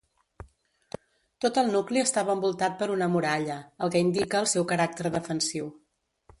Tot el nucli estava envoltat per una muralla el que indica el seu caràcter defensiu.